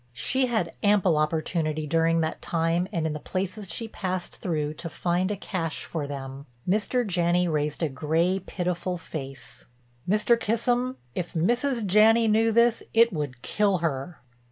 She had ample opportunity during that time and in the places she passed through to find a cache for them." Mr. Janney raised a gray, pitiful face: "Mr. Kissam, if Mrs. Janney knew this it would kill her."